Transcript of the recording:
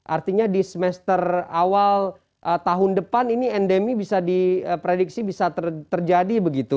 artinya di semester awal tahun depan ini endemi bisa diprediksi bisa terjadi begitu